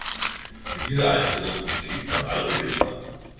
Mit dieser Einstellung zieht man alle Register.